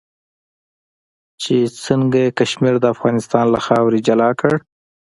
چې څنګه یې کشمیر د افغانستان له خاورې جلا کړ.